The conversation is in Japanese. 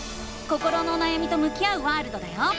心のおなやみと向き合うワールドだよ！